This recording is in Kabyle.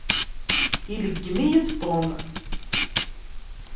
Ileggem-iyi-d Tom.